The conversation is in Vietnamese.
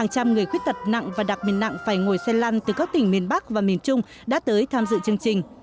hàng trăm người khuyết tật nặng và đặc biệt nặng phải ngồi xe lăn từ các tỉnh miền bắc và miền trung đã tới tham dự chương trình